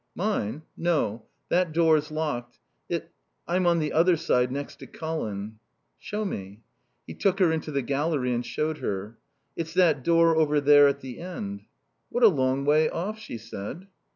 "Mine? No. That door's locked. It... I'm on the other side next to Colin." "Show me." He took her into the gallery and showed her. "It's that door over there at the end." "What a long way off," she said.